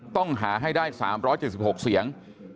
ต้องหาให้ได้๓๗๖เสียง